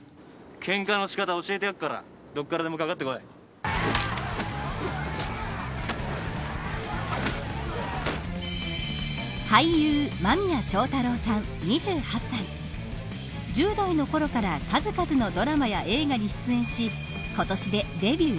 けんかの仕方、教えてやるから俳優、間宮祥太朗さん、２８歳１０代のころから数々のドラマや映画に出演し今年でデビュー